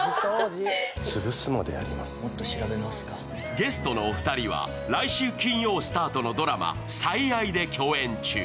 ゲストのお二人は来週金曜スタートのドラマ、「最愛」で共演中。